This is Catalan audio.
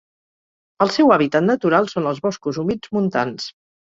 El seu hàbitat natural són els boscos humits montans.